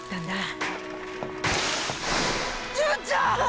純ちゃん！！